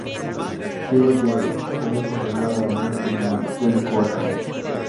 Silver se ofrece "entrenar" a Daniel en el dojo Cobra Kai.